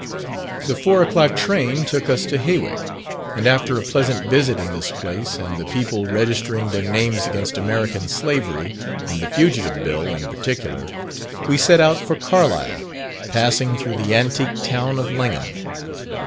The four o'clock train took us to Hawick; and after a pleasant visit in this place, and the people registering their names against American Slavery, and the Fugitive Bill in particular, we set out for Carlisle, passing through the antique town of Langholm.